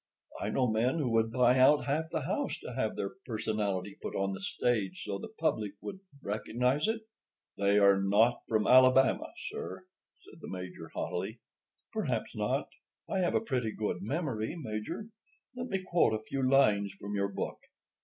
I know men who would buy out half the house to have their personality put on the stage so the public would recognize it." "They are not from Alabama, sir," said the Major haughtily. "Perhaps not. I have a pretty good memory, Major; let me quote a few lines from your book.